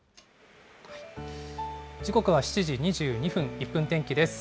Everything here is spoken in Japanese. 時刻は７時２２分、１分天気です。